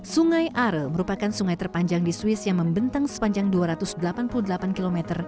sungai are merupakan sungai terpanjang di swiss yang membentang sepanjang dua ratus delapan puluh delapan km